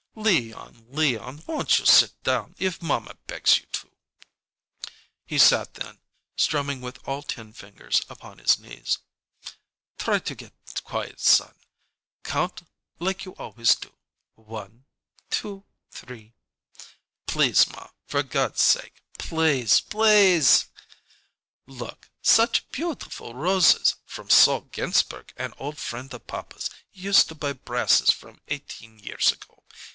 "Leon, Leon, won't you sit down, if mamma begs you to?" He sat then, strumming with all ten fingers upon his knees. "Try to get quiet, son. Count like you always do. One two three " "Please, ma for God's sake please please!" "Look such beautiful roses! From Sol Ginsberg, an old friend of papa's he used to buy brasses from eighteen years ago.